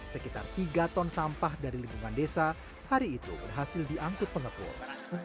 sekitar tiga ton sampah dari lingkungan desa hari itu berhasil diangkut pengepul